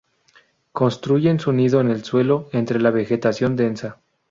Construyen su nido en el suelo entre la vegetación densa.